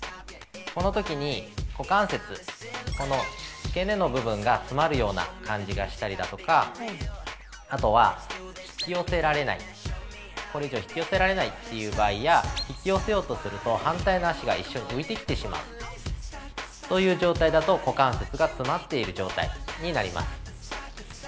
このときに、股関節、この付け根の部分が詰まるような感じがしたりだとか、あとは引き寄せられない、これ以上引き寄せられないという場合や、引き寄せようとすると反対の足が一緒に浮いてきてしまうという状態だと、股関節が詰まっている状態になります。